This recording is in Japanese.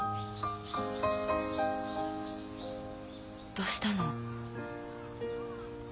どうしたの？